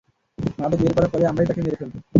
মাদক বের করার পর আমরাই তাকে মেরে ফেলব?